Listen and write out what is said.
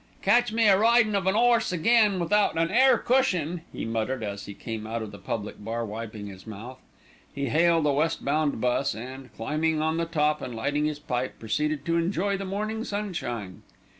"Catch me a ridin' of an 'orse again without an air cushion," he muttered as he came out of the public bar wiping his mouth. He hailed a west bound bus, and, climbing on the top and lighting his pipe, proceeded to enjoy the morning sunshine.